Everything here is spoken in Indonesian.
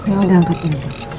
yaudah aku tidur